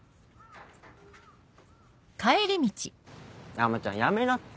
山ちゃんやめなって。